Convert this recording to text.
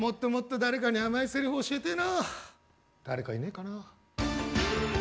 誰かいねえかな。